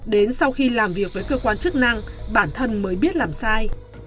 đến sau khi làm việc với cơ quan chức năng bản thân mới biết làm sai